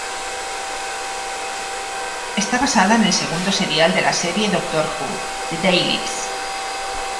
Está basada en el segundo serial de la serie "Doctor Who", "The Daleks".